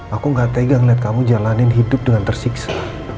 aku gak tega ngeliat kamu jalanin hidup dengan tersiksa